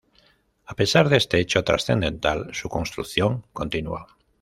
A pesar de este hecho trascendental su construcción continuó.